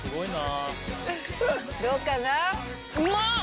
どうかな？